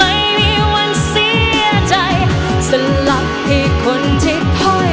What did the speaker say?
และมันมีสิทธิพร้อม